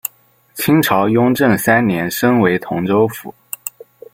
清朝雍正三年升为同州府。